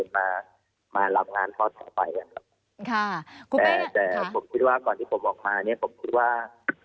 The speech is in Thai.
ผมคิดว่าก่อนที่ออกมาผมคิดว่า